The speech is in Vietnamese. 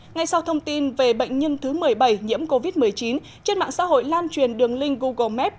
ngay sau thông tin về bệnh nhân thứ một mươi bảy nhiễm covid một mươi chín trên mạng xã hội lan truyền đường link google maps